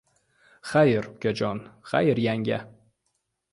— Xayr, ukajon! Xayr, yanga!